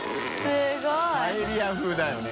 垢瓦ぁパエリア風だよね。